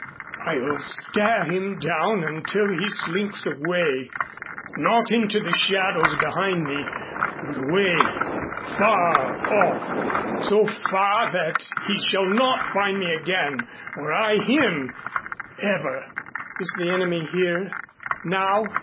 I'll stare him down until he slinks away not into the shadows behind me but away far off so far that he shall not find me again or I him ever." "Is the Enemy here now?"